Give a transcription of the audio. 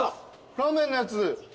ラーメンのやつ。